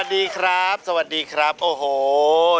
หนุ่มหนุ่มมันกระชุ่มกระช่วย